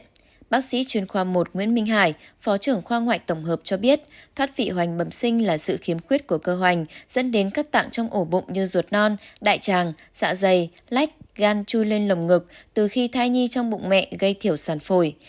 theo bác sĩ chuyên khoa một nguyễn minh hải phó trưởng khoa ngoại tổng hợp cho biết thoát vị hoành bẩm sinh là sự khiếm khuyết của cơ hoành dẫn đến các tạng trong ổ bụng như ruột non đại tràng dạ dày lách gan chui lên lồng ngực từ khi thai nhi trong bụng mẹ gây thiểu sản phổi